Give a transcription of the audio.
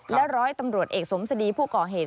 และร้อยตำรวจเอกสมสดีผู้ก่อเหตุ